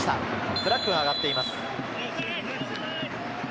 フラッグが上がっています。